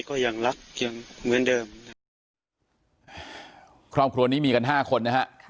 ก็ยังรักยังเหมือนเดิมนะครับครอบครัวนี้มีกันห้าคนนะฮะ